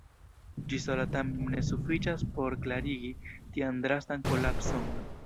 Ĝi sola tamen ne sufiĉas por klarigi tian drastan kolapson.